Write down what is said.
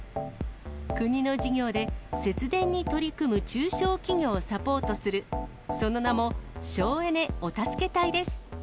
国の事業で、節電に取り組む中小企業をサポートする、その名も省エネお助け隊です。